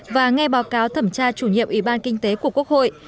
và nghe báo cáo thẩm tra chủ nhiệm ủy ban kinh tế của quốc hội